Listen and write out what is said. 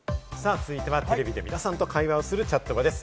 続いては、テレビで皆さんと会話する「チャットバ」です。